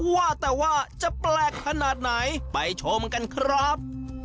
ว่าแต่ว่าจะแปลกขนาดไหนไปชมกันครับ